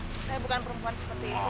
saya bukan perempuan seperti itu